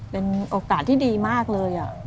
เป็นโอกาสที่ดีมากเลย